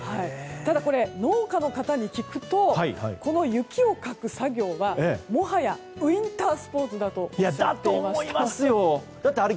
ただこれ、農家の方に聞くとこの雪をかく作業はもはやウィンタースポーツだとおっしゃっていました。